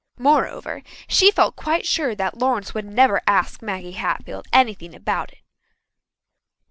Moreover, she felt quite sure that Lawrence would never ask Maggie Hatfield anything about it.